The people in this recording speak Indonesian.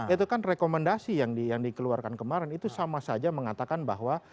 itu kan rekomendasi yang dikeluarkan kemarin itu sama saja mengatakan bahwa